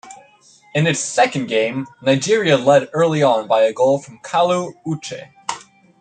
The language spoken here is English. In its second game Nigeria led early on by a goal from Kalu Uche.